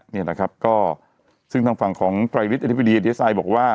นี่แหละครับก็ซึ่งทางฝั่งของดีเอสไอบอกว่า